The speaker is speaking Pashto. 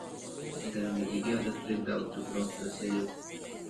د موزیګي عادت پرېږده او تربورانو سره سیالي وکړه.